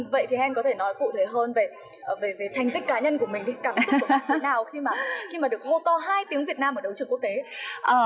vậy thì hèn có thể nói cụ thể hơn về thành tích cá nhân của mình thì cảm xúc của bạn thế nào khi mà được hô to hai tiếng việt nam ở đấu trường quốc tế